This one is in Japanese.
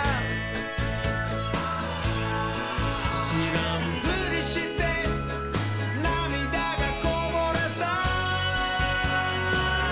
「しらんぷりしてなみだがこぼれた」